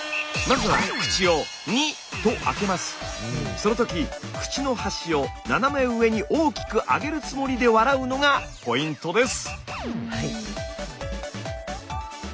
その時口の端を斜め上に大きく上げるつもりで笑うのがポイントです。